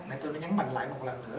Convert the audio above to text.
nãy tôi đã nhắn mạnh lại một lần nữa